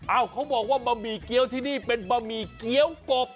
เขาบอกว่าบะหมี่เกี้ยวที่นี่เป็นบะหมี่เกี้ยวกบ